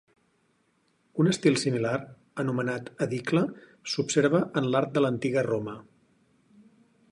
Un estil similar, anomenat edicle, s'observa en l'art de l'Antiga Roma.